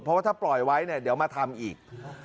เพราะว่าถ้าปล่อยไว้เนี่ยเดี๋ยวมาทำอีก